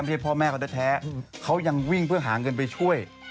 เรียกพ่อแม่เขาแท้เขายังวิ่งเพื่อหาเงินไปช่วย